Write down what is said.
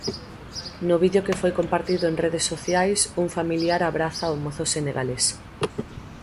No vídeo que foi compartido en redes sociais, un familiar abraza o mozo senegalés.